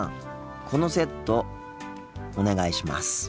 このセットお願いします。